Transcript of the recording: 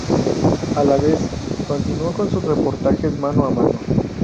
A la vez, continuó con sus reportajes mano a mano.